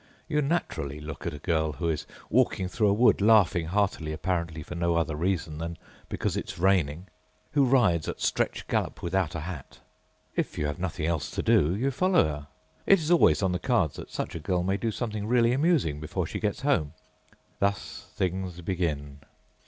You naturally look at a girl who is walking through a wood, laughing heartily apparently for no other reason than because it is rainingâwho rides at stretch gallop without a hat. If you have nothing else to do, you follow her. It is always on the cards that such a girl may do something really amusing before she gets home. Thus things begin.